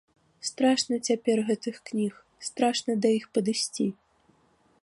Страшна цяпер гэтых кніг, страшна да іх падысці.